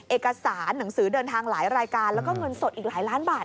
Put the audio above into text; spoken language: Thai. เอกสารหนังสือเดินทางหลายรายการแล้วก็เงินสดอีกหลายล้านบาท